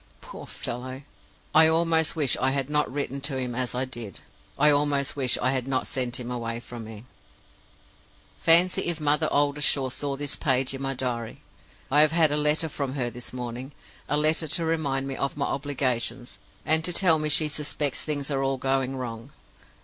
Poor fellow! I almost wish I had not written to him as I did; I almost wish I had not sent him away from me. "Fancy if Mother Oldershaw saw this page in my diary! I have had a letter from her this morning a letter to remind me of my obligations, and to tell me she suspects things are all going wrong.